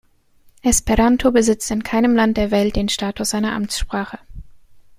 Esperanto besitzt in keinem Land der Welt den Status einer Amtssprache.